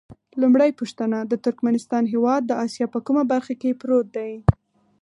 لومړۍ پوښتنه: د ترکمنستان هېواد د اسیا په کومه برخه کې پروت دی؟